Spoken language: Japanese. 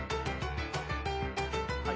はい。